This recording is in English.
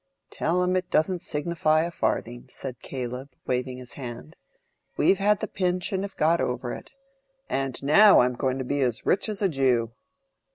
"Tell him it doesn't signify a farthing," said Caleb, waving his hand. "We've had the pinch and have got over it. And now I'm going to be as rich as a Jew."